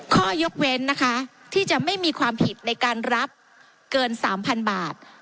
ข้อยกเว้นนะคะที่จะไม่มีความผิดในการรับเกิน๓๐๐๐บาท